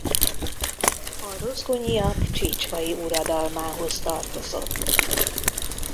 A Rozgonyiak csicsvai uradalmához tartozott.